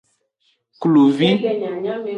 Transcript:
Kluvi.